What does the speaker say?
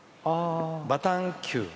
バタン休。